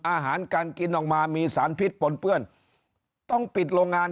อาหารการกินออกมามีสารพิษปนเปื้อนต้องปิดโรงงาน